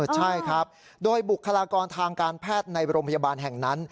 ใช่ครับโดยบุคลากรทางการแพทย์ในโรงพยาบาลแห่งนั้น